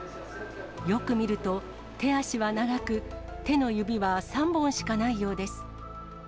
よく見ると、手足は長く、手の指は３本しかないようです。